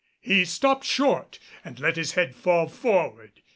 He stopped short and let his head fall forward.